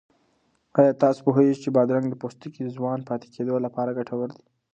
آیا تاسو پوهېږئ چې بادرنګ د پوستکي د ځوان پاتې کېدو لپاره ګټور دی؟